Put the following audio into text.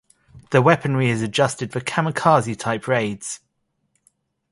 The weaponry is adjusted for kamikaze type raids.